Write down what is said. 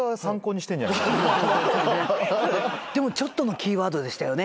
でもちょっとのキーワードでしたよね。